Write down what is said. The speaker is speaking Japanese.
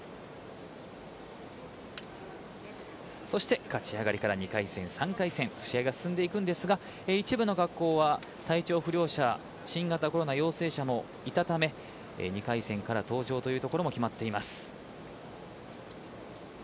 そして勝ち上がりから２回戦、３回戦が進みますが一部の学校は新型コロナ陽性者もいたため２回戦から登場というところも決まっています。